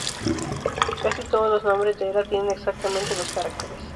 Casi todos los nombres de era tienen exactamente dos caracteres.